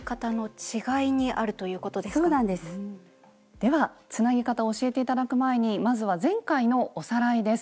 ではつなぎ方を教えて頂く前にまずは前回のおさらいです。